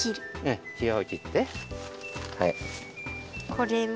これも。